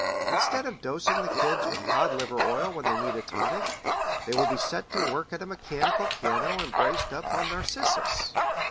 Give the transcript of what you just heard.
Instead of dosing the kids with cod liver oil when they need a tonic, they will be set to work at a mechanical piano and braced up on 'Narcissus.'